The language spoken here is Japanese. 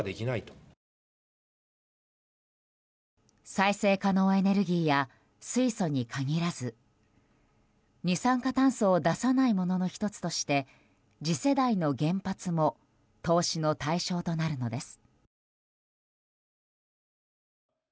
再生可能エネルギーや水素に限らず二酸化炭素を出さないものの１つとして次世代の原発も投資の対象となるのです。